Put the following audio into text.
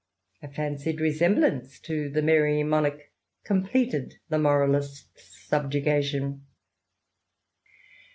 A fancied resemblance to the " merry monarch " completed the moralist's subjugation.